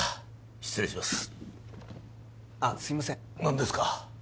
失礼しますあっすいません何ですか？